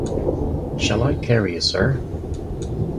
Shall I carry it, sir?